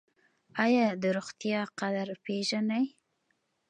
ایا د روغتیا قدر پیژنئ؟